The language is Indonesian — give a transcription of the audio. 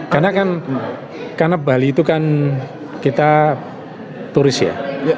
karena bali itu kan kita turis ya